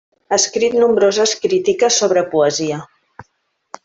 Ha escrit nombroses crítiques sobre poesia.